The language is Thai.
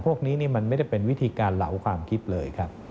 พวกนี้มันไม่ได้เป็นวิธีการเหลาความคิดเลยครับ